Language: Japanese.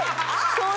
そう